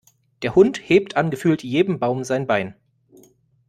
Der Hund hebt an gefühlt jedem Baum sein Bein.